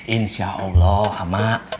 insya allah mak